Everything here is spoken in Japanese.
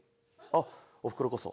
あっおふくろこそ。